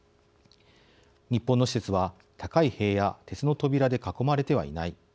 「日本の施設は高い塀や鉄の扉で囲まれてはいない。